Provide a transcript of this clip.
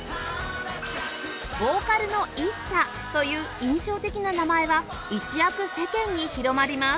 ボーカルの「ＩＳＳＡ」という印象的な名前は一躍世間に広まります